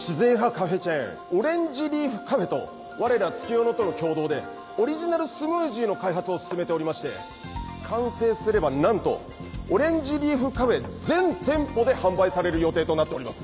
カフェチェーン「オレンジリーフカフェ」とわれら月夜野との共同でオリジナルスムージーの開発を進めておりまして完成すればなんとオレンジリーフカフェ全店舗で販売される予定となっております。